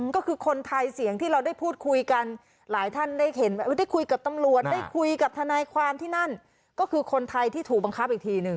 ก็คือคนไทยเสียงที่เราได้พูดคุยกันหลายท่านได้เห็นได้คุยกับตำรวจได้คุยกับทนายความที่นั่นก็คือคนไทยที่ถูกบังคับอีกทีหนึ่ง